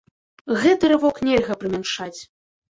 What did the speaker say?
Гэты рывок нельга прымяншаць.